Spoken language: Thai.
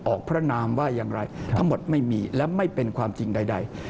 พระนามว่าอย่างไรทั้งหมดไม่มีและไม่เป็นความจริงใด